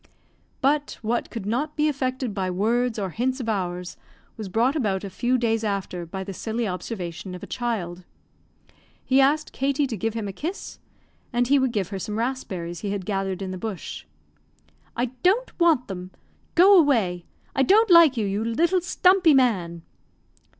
But what could not be effected by words or hints of ours was brought about a few days after by the silly observation of a child. He asked Katie to give him a kiss, and he would give her some raspberries he had gathered in the bush. "I don't want them. Go away; I don't like you, you little stumpy man!"